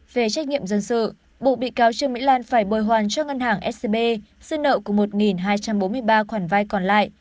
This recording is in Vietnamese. về trách nhiệm dân sự bộ bị cáo trương mỹ lan phải bồi hoàn cho ngân hàng scb dư nợ của một hai trăm bốn mươi ba khoản vay còn lại